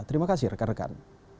terima kasih rekan rekan